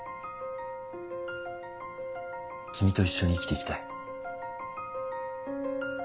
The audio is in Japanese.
君と一緒に生きて行きたい。